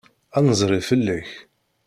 Ad d-nezri fell-ak.